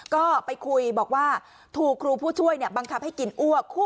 ก็ไปคุยบอกว่าถูกครูผู้ช่วยบังคับให้กินอ้วก